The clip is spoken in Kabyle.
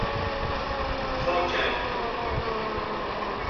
Ẓer kan!